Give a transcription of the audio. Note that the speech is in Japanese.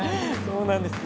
そうなんです。